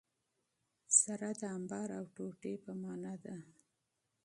سره د انبار او ټوټي په مانا ده.